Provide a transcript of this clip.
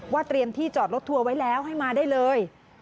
เตรียมที่จอดรถทัวร์ไว้แล้วให้มาได้เลย